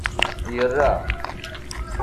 Yerra.